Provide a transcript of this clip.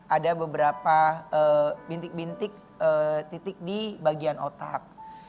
ada beberapa bintik bintik titik di bagian otak